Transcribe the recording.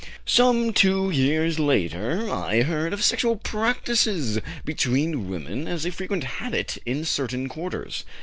"Some two years later I heard of sexual practices between women as a frequent habit in certain quarters.